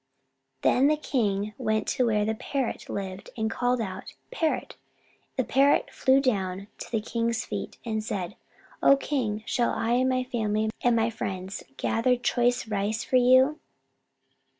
Then the king went to where the Parrot lived, and called, "Parrot!" The Parrot flew down to the king's feet and said, "O King, shall I and my family and my friends gather choice rice for you?"